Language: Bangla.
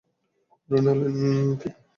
আর উনি হলেন পিতা।